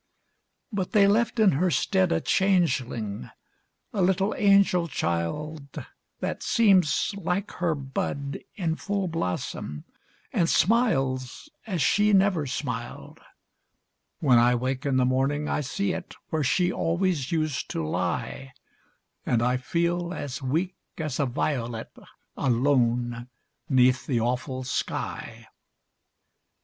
But they left in her stead a changeling, A little angel child, That seems like her bud in full blossom, And smiles as she never smiled: When I wake in the morning, I see it Where she always used to lie, And I feel as weak as a violet Alone 'neath the awful sky.